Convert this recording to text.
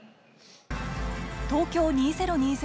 東京２０２０